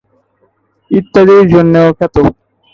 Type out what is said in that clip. ইত্যাদির জন্যেও খ্যাত।